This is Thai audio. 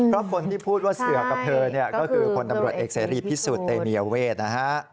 เพราะคนที่พูดว่าเสือกกับเธอก็คือคนตำรวจเอกเสรีพิสุทธิ์เตมีเวช